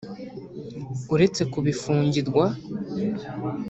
"Uretse kubifungirwa